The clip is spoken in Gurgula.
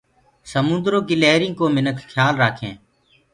سموندرو ڪي لهرينٚ ڪو مِنک کيآل رآکينٚ۔